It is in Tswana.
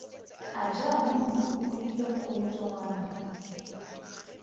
A jaanong o go kobile Kgomotso ngwanaka?